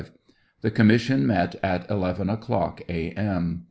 The commifsion met at 11 o'clock a. m.